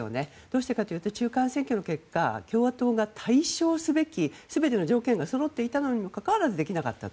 どうしてかというと中間選挙の結果共和党が大勝すべき全ての条件がそろっていたにもかかわらずできなかった。